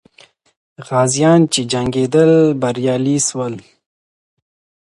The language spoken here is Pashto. غازیان چې جنګېدل، بریالي سول.